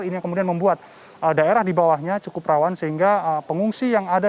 ini yang kemudian membuat daerah di bawahnya cukup rawan sehingga pengungsi yang ada